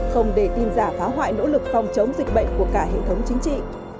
không để tin giả phá hoại nỗ lực phòng chống dịch bệnh của cả hệ thống chính trị